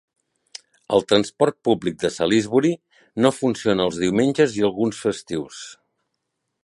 El transport públic de Salisbury no funciona els diumenges i alguns festius.